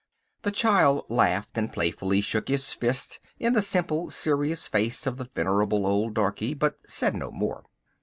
The child laughed, and playfully shook his fist in the simple, serious face of the venerable old darkey, but said no more.